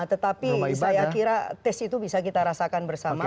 tetapi saya kira tes itu bisa kita rasakan bersama